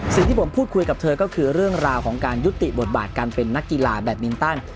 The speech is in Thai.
สิ่งที่ผมพูดคุยกับเธอก็คือเรื่องราวของการยุติบทบาทการเป็นนักกีฬาแบตมินตัน